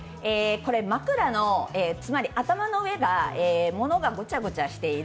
これ枕、つまり頭の上がものがごちゃごちゃしている。